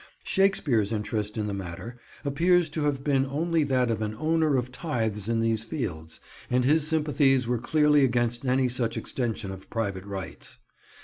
Shakespeare's interest in the matter appears to have been only that of an owner of tithes in these fields, and his sympathies were clearly against any such extension of private rights.